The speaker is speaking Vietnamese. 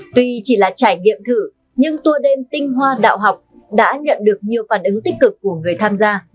tuy chỉ là trải nghiệm thử nhưng tour đêm tinh hoa đạo học đã nhận được nhiều phản ứng tích cực của người tham gia